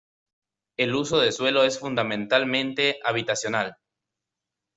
El uso de suelo es fundamentalmente habitacional.